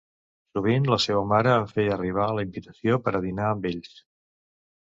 Sovint la seua mare em feia arribar la invitació per a dinar amb ells.